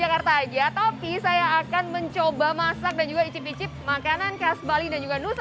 jakarta aja tapi saya akan mencoba masak dan juga icip icip makanan khas bali dan juga nusa